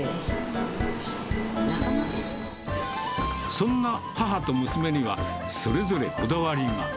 そんな母と娘には、それぞれこだわりが。